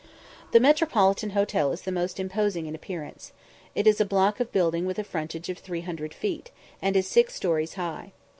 The Metropolitan Hotel is the most imposing in appearance. It is a block of building with a frontage of 300 feet, and is six stories high.